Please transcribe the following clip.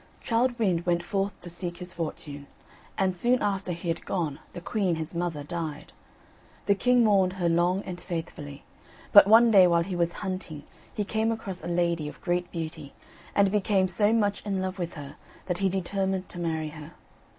Childe Wynd went forth to seek his fortune, and soon after he had gone the queen his mother died. The king mourned her long and faithfully, but one day while he was hunting he came across a lady of great beauty, and became so much in love with her that he determined to marry her.